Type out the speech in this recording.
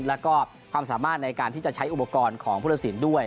แล้วก็ความสามารถในการที่จะใช้อุปกรณ์ของพุทธศิลป์ด้วย